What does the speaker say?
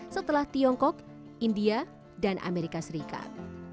setelah tiongkok india dan amerika serikat